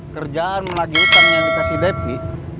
kerjaan menagih utang yang dikasih depi